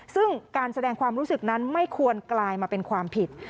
ซึ่งการแสดงความรู้สึกนั้นไม่ควรกลายมาเป็นความผิด